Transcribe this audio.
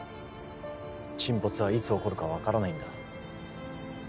沈没はいつ起こるか分からないんだ